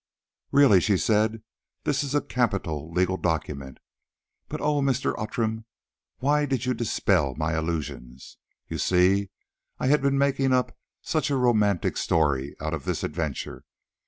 "Really," she said, "this is a capital legal document. But oh! Mr. Outram, why did you dispel my illusions? You see, I had been making up such a romantic story out of this adventure.